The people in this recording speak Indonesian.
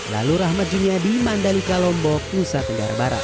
lalu rahmat juniadi mandalika lombok nusa tenggara barat